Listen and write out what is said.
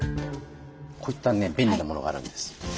こういったね便利なものがあるんです。